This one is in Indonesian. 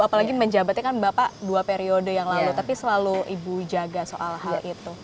apalagi menjabatnya kan bapak dua periode yang lalu tapi selalu ibu jaga soal hal itu